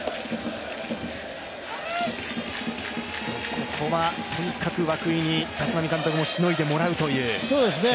ここは、とにかく涌井に立浪監督もしのいでもらうという。